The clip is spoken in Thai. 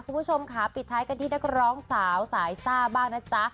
คุณผู้ชมค่ะปิดท้ายกันที่นักร้องสาวสายซ่าบ้างนะจ๊ะ